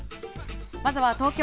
まずは、東京。